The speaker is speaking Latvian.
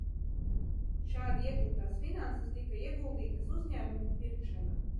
Šādi iegūtās finanses tika ieguldītas uzņēmumu pirkšanā.